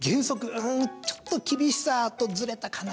う−ん、ちょっと厳しさとずれたかな？